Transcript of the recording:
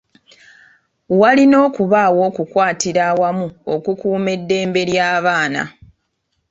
Walina okubaawo okukwatira awamu okukuuma eddembe ly'abaana